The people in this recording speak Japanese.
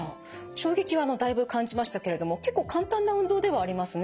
衝撃はだいぶ感じましたけれども結構簡単な運動ではありますね。